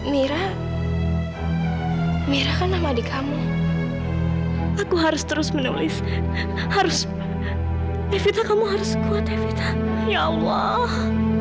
mira mira kan nama di kamu aku harus terus menulis harus kita kamu harus kuat ya allah